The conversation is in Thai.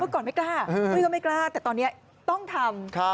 เพราะก่อนไม่กล้าก็ไม่กล้าแต่ตอนนี้ต้องทำ